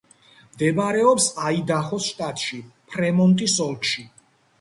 მდებარეობს აიდაჰოს შტატში, ფრემონტის ოლქში.